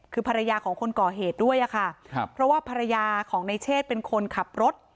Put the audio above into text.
คือภรรยาของคนก่อเหตุด้วยอะค่ะครับเพราะว่าภรรยาของในเชศเป็นคนขับรถ